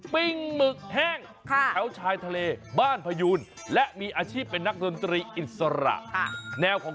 เป็นญาติทางกัน